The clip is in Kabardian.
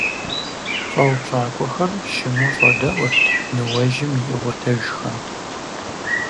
ЩӀэупщӀакӀуэхэр щыму щӀэдэӀурт ныуэжьым и Ӏуэтэжхэм.